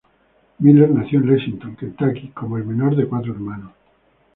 Miller nació en Lexington, Kentucky, como el menor de cuatro hermanos.